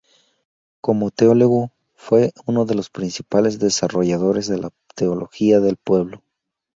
Como teólogo fue uno de los principales desarrolladores de la teología del pueblo.